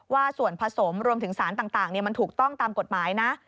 ว่าส่วนผสมรวมถึงสารต่างมันถูกต้องตามกฎหมายนะ